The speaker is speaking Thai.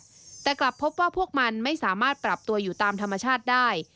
ในป่าเป็นครั้งแรกแต่กลับพบว่าพวกมันไม่สามารถปรับตัวอยู่ตามธรรมชาติได้